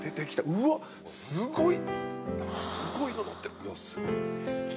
うわっすごい。